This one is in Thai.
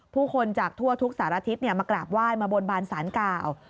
ผู้คนจากทั่วทุกสารทิศมากราบไหว้มาบนบานสารกล่าว